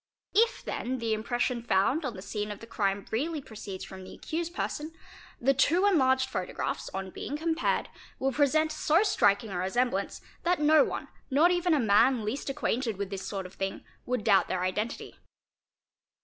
If then the impression found on the scene of the crime really proceeds from the accused person, the two enlarged photographs on being compared will present so striking a resemblance that no one, not even a man least acquainted with this sort of thing, would doubt their identity.